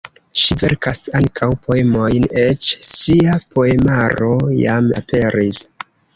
Ŝi verkas ankaŭ poemojn, eĉ ŝia poemaro jam aperis.